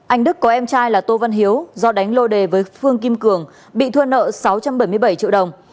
anh đức có em trai là tô văn hiếu do đánh lô đề với phương kim cường bị thua nợ sáu trăm bảy mươi bảy triệu đồng